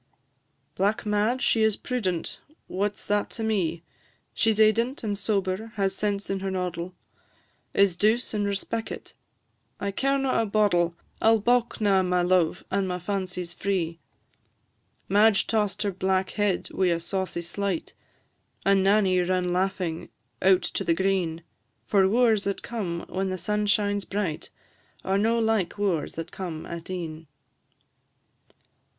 "Black Madge she is prudent." "What 's that to me?" "She is eident and sober, has sense in her noddle Is douce and respeckit." "I carena a boddle; I 'll baulk na my luve, and my fancy 's free." Madge toss'd back her head wi' a saucy slight, And Nanny run laughing out to the green; For wooers that come when the sun shines bright Are no like the wooers that come at e'en.